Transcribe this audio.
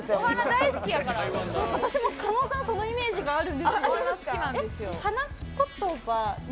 私も加納さんそのイメージがあるんですよ。